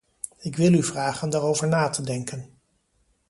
Ik wil u vragen daarover na te denken.